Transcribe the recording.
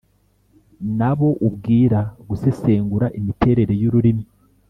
n’abo ubwira. Gusesengura imiterere y’ururimi